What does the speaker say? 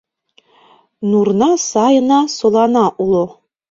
Нурна сайына солана уло